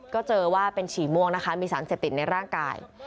ก็เจอว่าเป็นฉี่ม่วงนะคะมีสารเสพติดในร่างกาย